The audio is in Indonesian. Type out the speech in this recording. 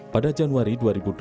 pada januari dua ribu delapan belas